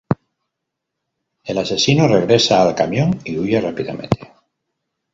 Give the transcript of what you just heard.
El asesino regresa al camión y huye rápidamente.